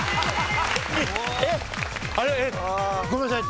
えっごめんなさい。